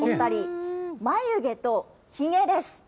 眉毛とひげです。